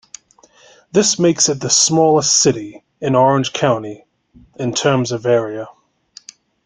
This makes it the smallest city in Orange County in terms of area.